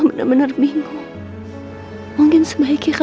semuanya bisa damai dan bahagia